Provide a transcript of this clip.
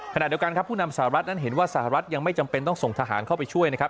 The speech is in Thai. ขณะเดียวกันครับผู้นำสหรัฐนั้นเห็นว่าสหรัฐยังไม่จำเป็นต้องส่งทหารเข้าไปช่วยนะครับ